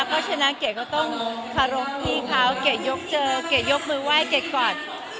เพราะฉะนั้นเกร็ดก็ต้องขอรมพี่เขาเกร็ดยกเจอเกร็ดยกมือไหว้เกร็ดกอด